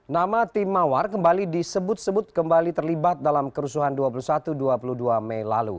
nama tim mawar kembali disebut sebut kembali terlibat dalam kerusuhan dua puluh satu dua puluh dua mei lalu